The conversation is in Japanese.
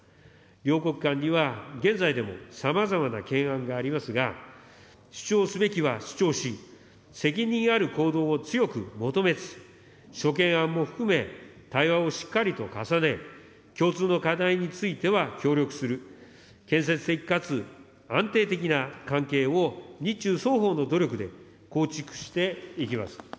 両国間には、現在でもさまざまな懸案がありますが、主張すべきは主張し、責任ある行動を強く求めつつ、諸懸案も含め、対話をしっかりと重ね、共通の課題については協力する、建設的かつ安定的な関係を日中双方の努力で構築していきます。